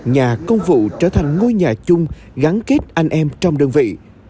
nhà công vụ trở thành ngôi nhà chung gắn kết anh em trong đơn vị